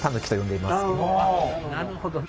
なるほど。